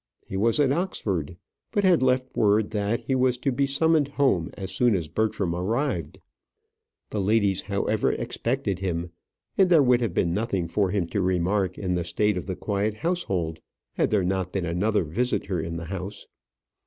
He was at Oxford; but had left word that he was to be summoned home as soon as Bertram arrived. The ladies, however, expected him, and there would have been nothing for him to remark in the state of the quiet household had there not been another visitor in the house.